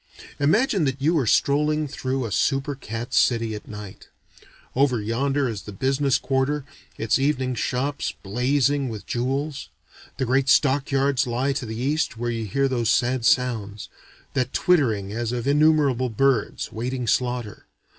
Imagine that you are strolling through a super cat city at night. Over yonder is the business quarter, its evening shops blazing with jewels. The great stock yards lie to the east where you hear those sad sounds: that twittering as of innumerable birds, waiting slaughter.